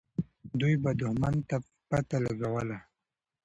دوی به دښمن ته پته لګوله.